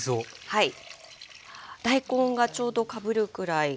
はい。